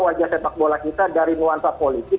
wajah sepak bola kita dari nuansa politik